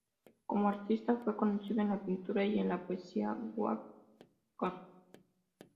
Como artista, fue conocido en la pintura y en la poesía "waka".